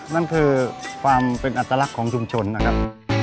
นั่นคือความเป็นอัตลักษณ์ของชุมชนนะครับ